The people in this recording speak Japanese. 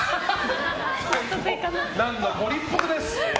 ナンノ、ご立腹です。